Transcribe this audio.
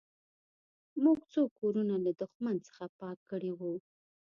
موږ څو کورونه له دښمن څخه پاک کړي وو